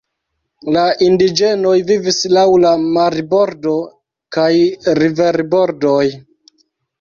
La indiĝenoj vivis laŭ la marbordo kaj riverbordoj.